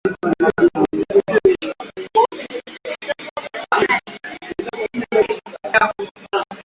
Wakati wa ghasia hizo zaidi ya watu kumi waliuawa mamia walijeruhiwa na maelfu kukoseshwa makazi